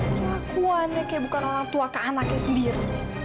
pengakuannya kayak bukan orang tua ke anaknya sendiri